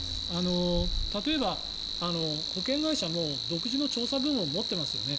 例えば、保険会社も独自の調査部門を持っていますよね。